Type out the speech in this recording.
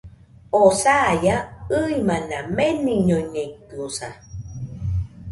Oo saia, ɨimana meniñoñeitɨosa